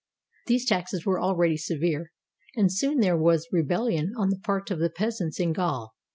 These taxes were already severe, and soon there was rebellion on the part of the peasants in Gaul.